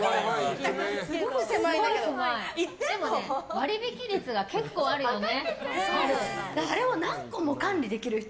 割引率が結構あるよね。